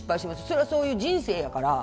それは、そういう人生やから。